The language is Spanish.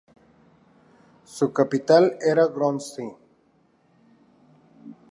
Su capital era Grozni.